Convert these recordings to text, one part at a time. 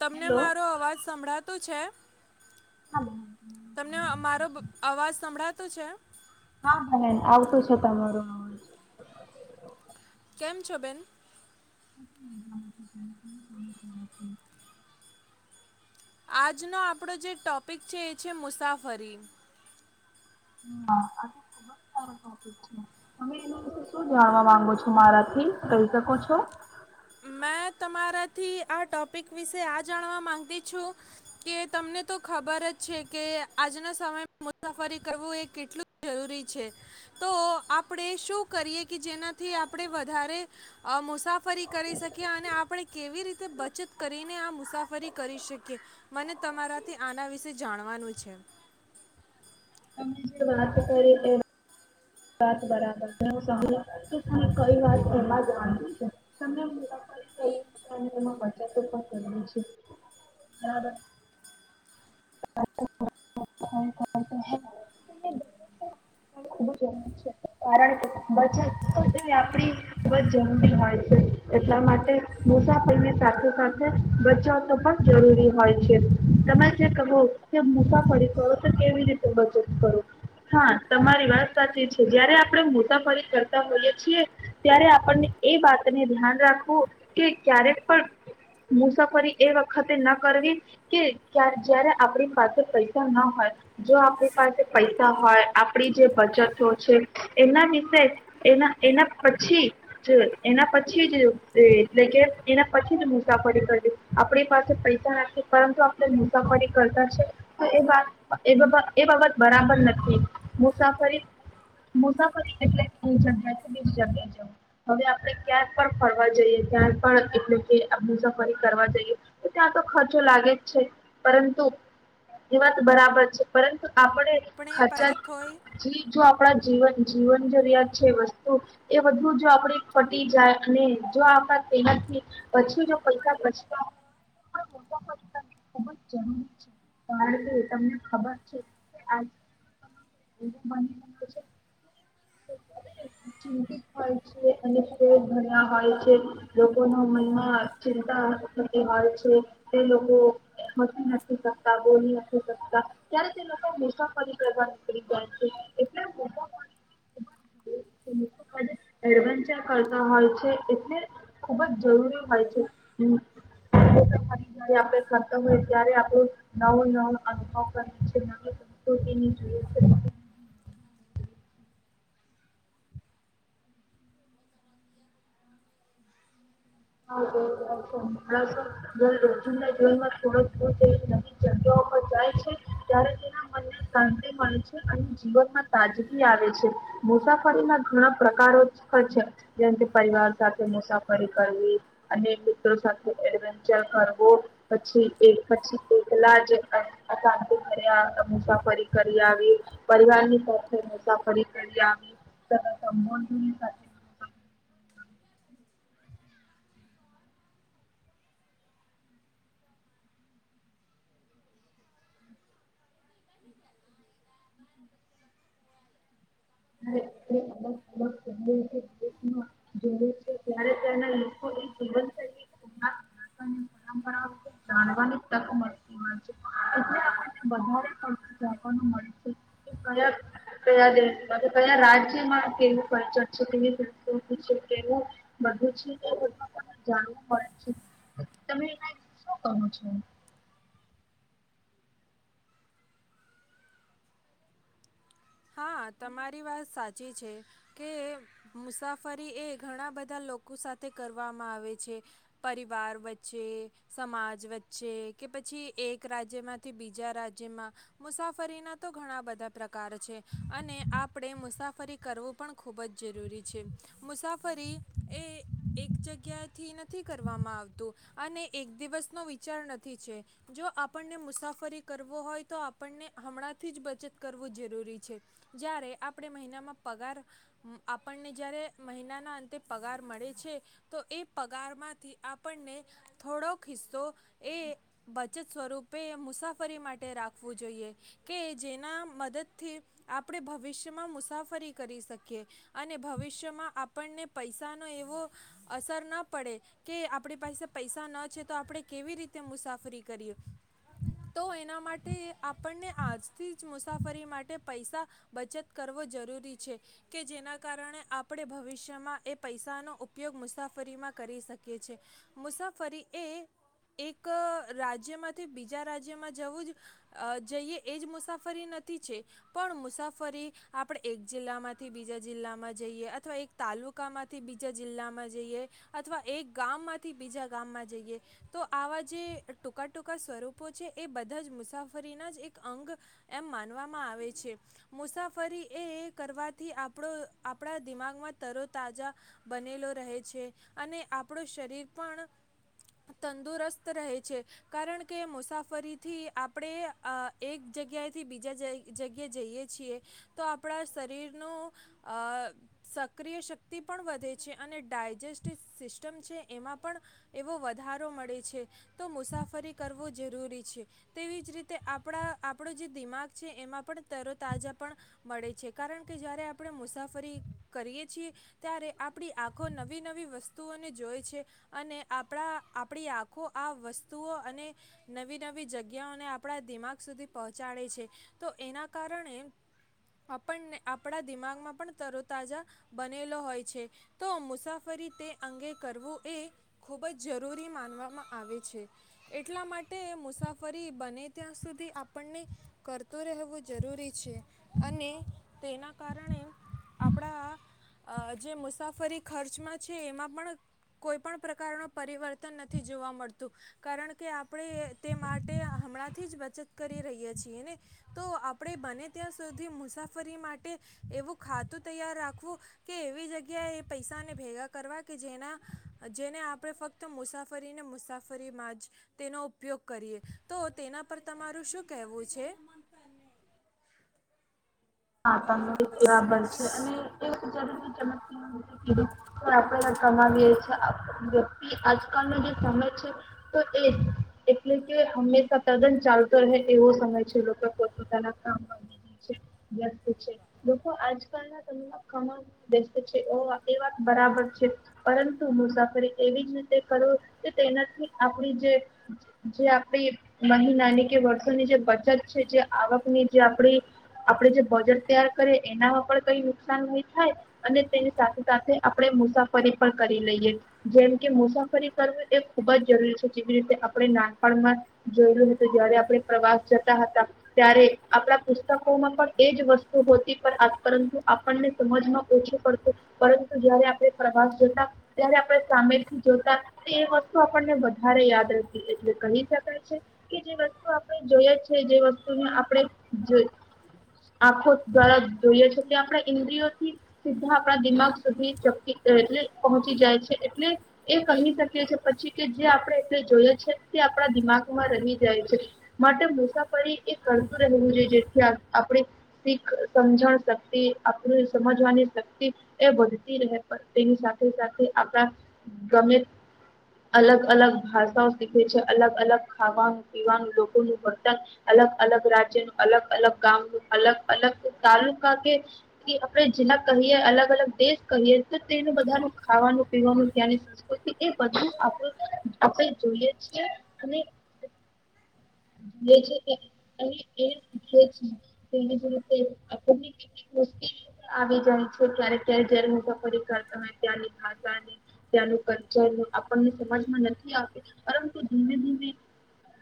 તમને હેલો. મારો અવાજ સંભળાતો છે? હા બેન. તમને અ મારો અવાજ સંભળાતો છે? હા બહેન આવતું છે તમારો અવાજ. કેમ છો બેન? [inaudible] આજનો આપણો જે ટોપિક છે એ છે મુસાફરી. આ [inaudible] તમે વિશે શું જાણવા માંગો છો મારાથી, કહી શકો છો? મેં તમારાથી આ ટોપિક વિશે આ જાણવા માગતી છું કે તમને તો ખબર જ છે કે આજના સમય મુસાફરી કરવું એ કેટલું જરૂરી છે તો આપડે શું કરીએ કે જેનાથી આપણે વધારે અ મુસાફરી કરી શકીએ અને આપડે કેવી રીતે બચત કરીને આ મુસાફરી કરી શકીએ. મને તમારાથી આના વિશે જાણવાનું છે. તમે જે વાત કરી તેના વાત બરાબર [inaudible] સમ [inaudible] કઈ વાત કરવા જવાની છે. સમ [inaudible] બચત [inaudible] કરવું છે [inaudible] [inaudible] કારણ કે બચતે એ આપ ખૂબ જ જરૂરી હોય છે. એટલા માટે મુસાફરી સાથે સાથે બચાવતો પણ જરૂરી હોય છે. તમે જે કહો કે મુસાફરી કરો તો કેવી રીતે બચત કરો? હા તમારી વાત સાચી છે. જયારે આપણે મુસાફરી કરતા હોઈએ છીએ, ત્યારે આપણને એ વાતને ધ્યાન રાખવું કે ક્યારેક પણ મુસાફરી એ વખતે ન કરવી કે જાર જ્યારે આપણી પાસે પૈસા ના હોય. જો આપણી પાસે પૈસા હોય આપણી જે બચતો છે એના વિશે એના એના પછી જે એના પછી જે એ એટલે કે એના પછી જ મુસાફરી કરવી આપણી પાસે પૈસા નાખી પરંતુ આપડે મુસાફરી કરતા છે તો એ એ બાબત બરાબર નથી. મુસાફરી મુસાફરી એટલે એ જગ્યાથી બીજી જગ્યા જવુ. હવે આપણે કયા પણ ફરવા જઈએ કયાક એટલે કે મુસાફરી કરવા જઈએ તો ત્યાં તો ખ ચો લાગે જ છે પરંતુ એ વાત બરાબર છે પરંતુ આપણે ખર્ચા બચત હોય [inaudible] જો આપણા. જીવન જીવન જરિયાત છે વસ્તુ એ બધું જો આપડી પટી જાય અને જો આપણા તેનાથી પછી જો કઈકા પૈસા બચતા હોય નેવું [inaudible] કારણ કે તમને ખબર છે આજ [inaudible] છે [inaudible] ચિંતિત હોય છે અને ફરી ભણવા હોય છે. લોકોના મનમાં ચિંતાતી હોય છે. તે મ ના શકતા બોલી ના શકતા ત્યારે તે લોકો મુસાફરી કરવા નીકળી જાય છે એટલે મુસાફરી ખ [unintelligible] એડવેન્ચર કરતા હોય છે એટલે ખુબ જ જરૂરી હોય છેસારી. આપણે ખતમ હોય ત્યારે આપણું નવો-નવો અનુભવ કરીએ છીએ નવી સંસ્કૃતિની જોએ. [unintelligible] જીવનમાં થોડક નવી જગ્યા પર જાય છે ત્યારે તેના મનને શાંતિ મળે છે અને જીવનમાં તાજગી આવે છે. મુસાફરીમાં ઘણા પ્રકારો હોય છે જેમ કે પરિવાર સાથે મુસાફરી કરવી. મિત્ર સાથે કરવો પછી એ પછી એકલા જ અહીં મુસાફરી કરી આવી, પરિવારની સાથે મુસાફરી કરી, આવી સંબંધોની સાથે મુસાફરી અલગ અલગહે દ છે ત્યારે ત્યાના લોકો એ જીવનીશૈલી પરંપરા. જાણવાની તક મળતી હોય છે એટળે આપણને વધવા પડતું જાણવાનું મળે છે કે કયા કયા દે કયા રાજ્યમાં કે. ચ છેવું બધું છે જાણવું મળે છે. તમે એના વિશે શું કહો છો? હા તમારી વાત સાચી છે કે મુસાફરી એ ઘણા બધા લોકો સાથે કરવામાં આવે છે. પરિવાર વચ્ચે, સમાજ વચ્ચે કે પછી એક રાજ્યમાંથી બીજા રાજ્યમાં મુસાફરીના તો ઘણા બધા પ્રકાર છે. અને આપણે મુસાફરી કરવું પણ ખૂબ જ જરૂરી છે. મુસાફરી એ એક જગ્યાથી નથી કરવામાં આવતું અને એક દિવસનો વિચાર નથી છે જો આપણને મુસાફરી કરવો હોય તો આપણને હમણાંથી જ બચત કરવું જરૂરી છે. જ્યારે આપણે મહિનામાં પગાર આપણને જ્યારે મહિનાના અંતે પગાર મળે છે, તો એ પગારમાંથી આપણને થોડોક હિસ્સો એ બચત સ્વરૂપે મુસાફરી માટે રાખવું જોઈએ કે જેના મદદથી. આપણે ભવિષ્યમાં મુસાફરી કરી શકીએ અને ભવિષ્યમાં આપણને પૈસા નો એવો અસર ના પડે કે આપણી પાસે પૈસા ન છે તો આપણે કેવી રીતે મુસાફરી કરીએ, તો એના માટે આપણને આજથી જ મુસાફરી માટે. પૈસા બચત કરવો જરૂરી છે કે જેના કારણે આપણે ભવિષ્યમાં એ પૈસાનો ઉપયોગ મુસાફરીમાં કરી શકીએ છે. મુસાફરી એ એક રાજ્યમાંથી બીજા રાજ્યમાં જવું જ જઈએ એ જ મુસાફરી નથી છે. પણ મુસાફરી આપણે એક જિલ્લામાંથી બીજા જિલ્લામાં જઈએ અથવા, એક તાલુકા માંથી બીજા જિલ્લામાં જઈએ અથવા, એક ગામમાંથી બીજા ગામમાં જઈએ તો આવા જે ટૂંકા ટૂકા સ્વરૂપો છે એ બધા જ મુસાફરીના જ એક અંગ એમ માનવામા મા આવે છે. મુસાફરીએ કરવાથી આપ આપણા દિમાગમાં તરોતાજા બનેલો રહે છે અને આપણું શરીર પણ તંદુરસ્ત રહે છે કારણ કે મુસાફરીથી આપણે અ એક જગ્યાએથી બીજા જ જગ્યાએ જઈએ છીએ તો આપણા શરીરનો અ સક્રિય શક્તિ પણ વધે છે અને ડાયજેસ્ટિવ સિસ્ટમ છે એમાં પણ એવો વધારો મળે છે તો મુસાફરી કરવો જરૂરી છે. તેવી જ રીતે આપણા આપણો જે દિમાગ છે એમાં. પણ તરો તાજા પણ મળે છે કારણ કે જ્યારે આપણે મુસાફરી કરીએ છીએ, ત્યારે આપણી આંખો નવી નવી વસ્તુઓને જોએ છે અને આપણા આપણી આંખો આ વસ્તુઓ અને નવી નવી જગ્યાઓને આપણા દિમાગ સુધી પહોંચાડે છે. તો એના કારણે આપણને આપણા દિમાગમાં પણ તરોતાજા બનેલો હોય છે. તો મુસાફરી તે અંગે કરવું એ ખૂબ જ જરૂરી માનવામાં આવે છે એટલા માટે મુસાફરી બને ત્યાં સુધી આપણને કર રહેવું જરૂરી છે અને તેના કારણે આપણા અ જે મુસાફરી ખર્ચમાં છે. એમાં પણ કોઈ પણ પ્રકારનું પરિવર્તન નથી જોવા મળતું કારણ કે આપણે એ તે માટે હમણાંથી જ બચત કરી રહીએ છીએ ને. તો આપણે બને ત્યાં સુધી મુસાફરી માટે એવું ખાતું તૈયાર રાખવું કે એવી જગ્યાએ એ પૈસાને ભેગા કરવા કે જેના જેને આપણે ફક્ત મુસાફરીને મુસાફરીમાં જ તેનો ઉપયોગ કરીએ. તો તેના પર તમારું શું કહેવું છે? હા તમેં આ બરાબર છે અને એક જરૂ [inaudible] આપણે કમાવીએ છી. વ્યક્તિ આજકાલનો જે સમય છે તો એ એટલે કે હંમેશા તદ્દન ચાલતો રહે તેવો સમય છે લોકો પોતપતાના કામ [unintelligible] પછ લોકો આજ. કણ છે ઓ એ વાત બરાબર છે પરંતુ મુસાફરી એવી જ રીતે કરવો કે તેનાથી આપણી જે જે આપડી મહિનાની કે વર્ષોની જે બચત છે જે આવકની જે આપડી. આપણે જે બજાર તૈયાર કરીએ એનામાં પણ કઈ નુકસાન નહી થાય અને તેની સાથે સાથે આપણે મુસાફરી પણ કરી લઈએ જેમ કે મુસાફરી કરવી એ ખુબ જ જરૂરી છે જેવી રીતે આપણે નાનપણમાં જોયેલું હતું જયારે આપણે પ્રવાસ જતા હતા ત્યારે આપણા પુસ્તક. જ વસ્તુ હોતી પરંતુ આપણને સમજમાં ઓછું પડતું પરંતુ જયારે આપણે પ્રવાસ જોતા ત્યારે આપણે સામેથી જોતા વસ્તુ આપણને વધારે યાદ રતી એટલે કહી શકાય છે કે જે વસ્તુ આપણે જોઈ છે જે વસ્તુને આપણે. આંખો દ્વારા જોઈએ છે કે આપણા ઇન્દ્રિયોથી સીધા આપણા દિમાગ સુધી ચકી એટ પહોંચી જાય છે એટલે એ કહી શકી છે પછી કે જે આપણે એ જોઈએ છે તે આપણા દિમાગમાં રહી જાય છે માટે મુસાફરી એ કરતું રહેવું જોઈ જેથી. આપણી શીખ સમજણ શક્તિ આપ સમજવાની શક્તિ એ વધતી રહે તેની સાથે સાથે આપણા ગમે અલગ અલગ ભાષાઓ શીખે છે અલગ અલગ ખાવાનું પીવાનું લોકોનું વર્તન અલગ અલગ રાજ્યનું અલગ અલગ. ગામ અલગ અલગ તાલુકા કે આપણે જિલ્લા કહીએ અલગ અલગ દેશ કહીએ તો તેનું બધાનું ખાવાનું પીવાનું ત્યાની સંસ્કૃતિ એ બધું આપ આપણે જોઈએ છી અને. જોઈએ છે કે અને એ શીખીએ છીએ તો એની જે રીતે આપણને કેટલીક મુશ્કેલીઓ પણ આવી જાય છે ક્યારેક ક્યારેક જયારે મુસાફરી કરતા હોય ત્યાંની ભાષાની ત્યાંનું કલ્ચર આપણને સમાજમાં નથી આપે પરંતુ ધીમે ધીમે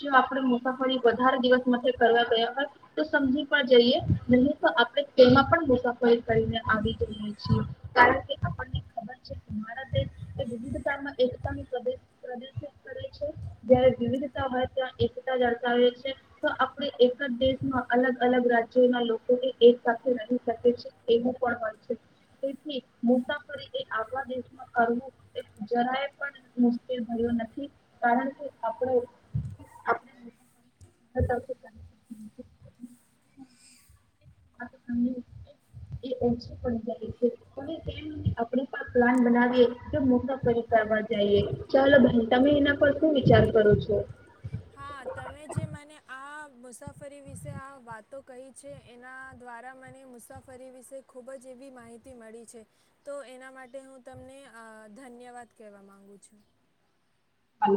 જો. સાફરી વધારે દિવસ માટે કરવા ગયા હોય તો સમજી પણ જઈએ નહી તો આપણે તેમાં પણ મુસાફરી કરીને આવી જએ છી કારણ કે આપને ખબર છેરા દેશ એ વિવિધ એકતાદશિત કરે છે જ વિવિધતા હોય ત. દર્શાવએ છીએ તો આપણે. દેશમાં અલગ અલગ રાજ્યો ના લોકોને એક સાથે રહી શકે છે એવું પણ હોન છે. મુસાફરી એ આવા દેશમાં કરવું જરાય પણ મુશ્કેલ થું નથી કારણ કે આપણે. [inaudible] ઓછ પણાય છે આપ પ્લાન બનાવીએ તો મોટા પરિકમાં જઈએ ચાલો ભાઈ તમે એના પર શું વિચાર કરો છો. હા તમે જે મને આ મુસાફરી વિશે આ વાતો કહી છે એના દ્વારા મને મુસાફરી વિશે ખૂબ જ એવી માહિતી મળી છે તો એના માટે હું તમને ધન્યવાદ કહેવા મામાંગુ છું. હ [unintelligible]